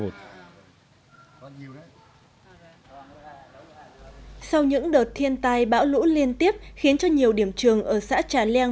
sau những đợt thiên tai bão lũ liên tiếp khiến cho nhiều điểm trường ở xã trà leng